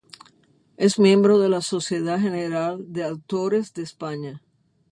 Es miembro de la Sociedad General de Autores de España.